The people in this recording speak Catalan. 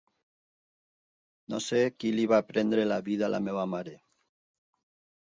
No sé qui li va prendre la vida a la meva mare.